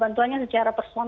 bantuannya secara personal